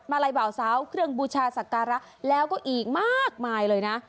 ตรวจมาลัยเบาซ้าวเครื่องบูชาสักการะแล้วก็อีกมากมายเลยนะ